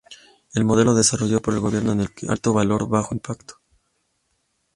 El modelo desarrollado por el gobierno es el de 'alto valor, bajo impacto'.